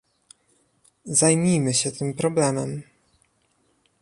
Zajmijmy się tym problemem